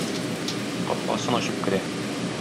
Капкасын ачып керә.